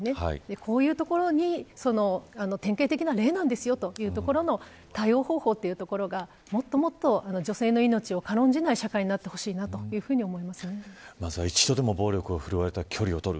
こういうところに典型的な例ですよというところの対応方法というところがもっともっと、女性の命を軽んじない社会に一度でも暴力を振るわれたら距離を取る。